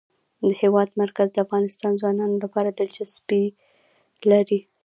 د هېواد مرکز د افغان ځوانانو لپاره دلچسپي لري.